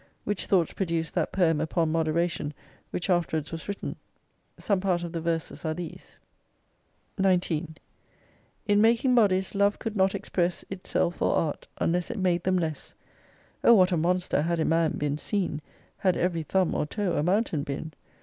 "Which thoughts produced that poem upon moderation, which afterwards was written. Some part of the verses are these, 19 In making bodies Love could not express Itself, or art, unless it made them less. O what a monster had in man been seen, Had every thumb or toe a mountain been!